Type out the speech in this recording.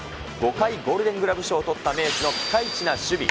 ５回ゴールデングラブ賞を取った名手のピカイチな守備。